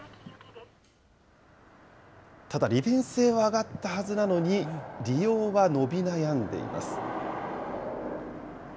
ただ、利便性は上がったはずなのに、利用は伸び悩んでいます。